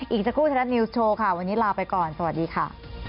อีกสักครู่ไทยรัฐนิวส์โชว์ค่ะวันนี้ลาไปก่อนสวัสดีค่ะ